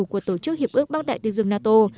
của tổ chức hiệp ước bắc đại tây dương nato